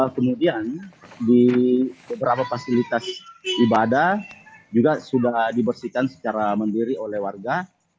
kemudian di beberapa fasilitas ibadah juga sudah dibersihkan secara mandiri oleh warga